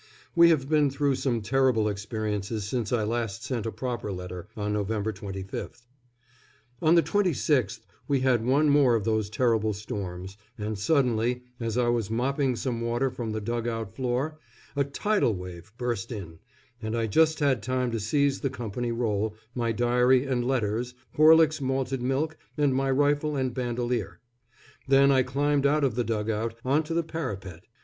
We have been through some terrible experiences since I last sent a proper letter, on November 25th. On the 26th we had one more of those terrible storms, and suddenly, as I was mopping some water from the dug out floor, a "tidal wave" burst in, and I just had time to seize the Company Roll, my diary and letters, Horlick's Malted Milk, and my rifle and bandolier. Then I climbed out of the dug out, on to the parapet!